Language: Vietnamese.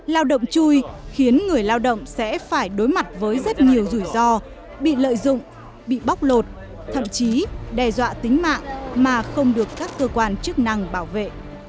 lao động chui khiến người lao động sẽ phải đối mặt với rất nhiều rủi ro bị lợi dụng bị bóc lột thậm chí đe dọa tính mạng mà không được các cơ quan chức năng bảo vệ